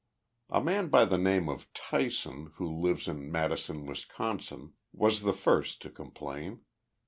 A man by the name of Tyson, who lived in Madison, Wisconsin, was the first to complain.